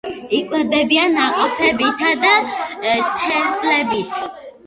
იკვებებიან ნაყოფებითა და თესლებით.